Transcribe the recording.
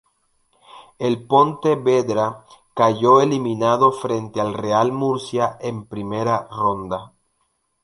El Pontevedra cayó eliminado frente al Real Murcia en primera ronda.